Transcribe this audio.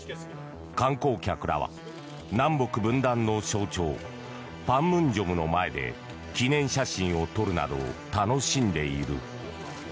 観光客らは南北分断の象徴、板門店の前で記念写真を撮るなど楽しんでいる。